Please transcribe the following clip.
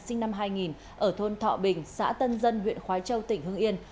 sinh năm hai nghìn ở thôn thọ bình xã tân dân huyện khói châu tỉnh hương yên